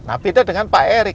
nah beda dengan pak erik